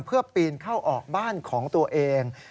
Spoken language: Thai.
เพื่อปีนเข้าออกบ้านของตัวเอง